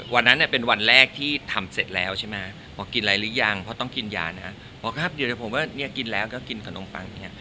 วันนั้นเป็นวันแรกที่ทำเสร็จแล้วใช่ไหมกินอะไรหรือยังพอต้องกินยานะกินเนี่ยกินแล้วก็กินขนมปัง